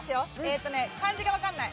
えーっとね漢字がわかんない。